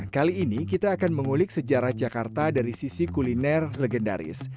kali ini kita akan mengulik sejarah jakarta dari sisi kuliner legendaris